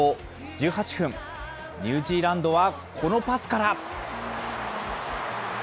１８分、ニュージーランドはこのパスから。